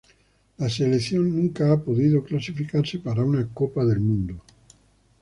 La selección nunca ha podido clasificarse para una Copa del Mundo.